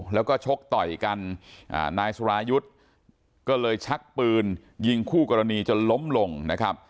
แล้วก็ชกต่อยกันนายสุรายุทธ์ก็เลยชักปืนยิงคู่กรณีจนล้มลงนะครับ